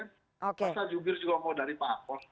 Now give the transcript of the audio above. masa jubir juga mau dari parpol